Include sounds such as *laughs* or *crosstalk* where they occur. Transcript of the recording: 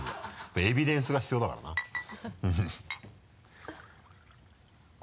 エビデンスが必要だからなうん *laughs*